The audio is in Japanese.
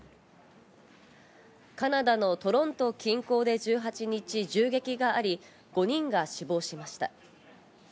カナダのトロント近郊で１８日、銃撃があり、５人が死亡しました。